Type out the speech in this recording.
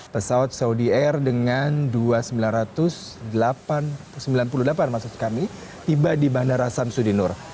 pesawat saudi air dengan dua ratus sembilan ratus delapan puluh delapan maksud kami tiba di bandara samsudinur